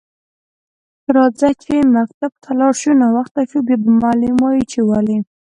راځه چی مکتب ته لاړ شو ناوخته شو بیا به معلم وایی چی ولی